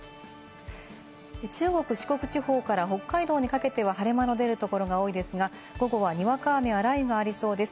中国四国地方から北海道にかけては晴れ間の出るところが多いですが、午後はにわか雨や雷雨がありそうです。